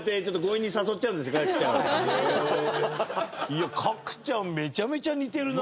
角ちゃんめちゃめちゃ似てるな。